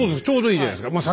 ちょうどいいじゃないですか。